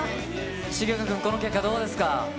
重岡君、この結果、どうですか。